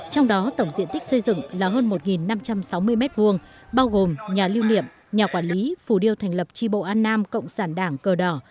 trong đó tổng diện tích xây dựng là hơn một năm trăm sáu mươi m hai bao gồm nhà lưu niệm nhà quản lý phủ điều thành lập tri bộ an nam cộng sản đảng cờ đỏ